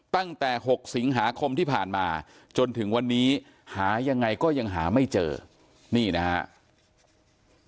ตั้งแต่๖สิงหาคมที่ผ่านมาจนถึงวันนี้หายังไงก็ยังหาไม่เจอนี่นะครับ